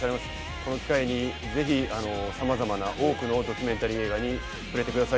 この機会にぜひ様々な多くのドキュメンタリー映画に触れてください